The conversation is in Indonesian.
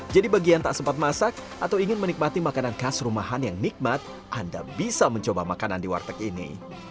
jadi bagi yang tak sempat masak atau ingin menikmati makanan khas rumahan yang nikmat anda bisa mencoba makanan di warteg ini